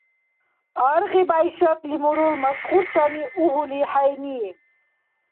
Аргъиб ГӀяйшатли мурул масхуртани угьули хӀейъни...